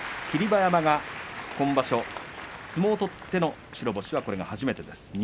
霧馬山が今場所、相撲を取っての白星がこれが初めてです。